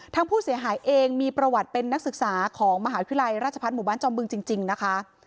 ทางผู้เสียหายเองมีประวัติเป็นนักศึกษาของมหาวิทยาลัยราชพัฒน์หมู่บ้านจอมบึงจริงนะคะ